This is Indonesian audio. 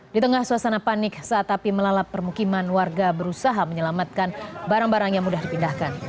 di tengah suasana panik saat api melalap permukiman warga berusaha menyelamatkan barang barang yang mudah dipindahkan